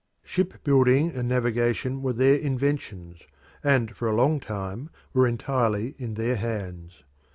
Shipbuilding and navigation were their inventions, and for a long time were entirely in their hands.